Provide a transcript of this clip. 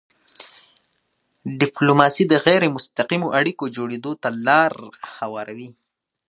ډیپلوماسي د غیری مستقیمو اړیکو جوړېدو ته لاره هواروي.